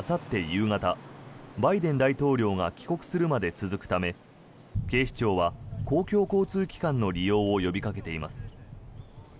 夕方バイデン大統領が帰国するまで続くため警視庁は公共交通機関の利用を呼びかけています。